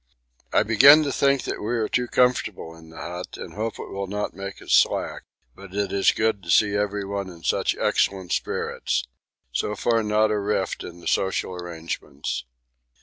I begin to think we are too comfortable in the hut and hope it will not make us slack; but it is good to see everyone in such excellent spirits so far not a rift in the social arrangements.